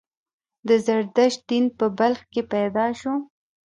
د زردشت دین په بلخ کې پیدا شو